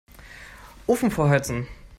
Ofen vorheizen.